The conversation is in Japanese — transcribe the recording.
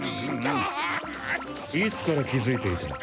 いつから気づいていた？